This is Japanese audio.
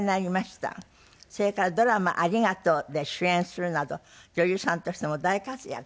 それからドラマ『ありがとう』で主演するなど女優さんとしても大活躍。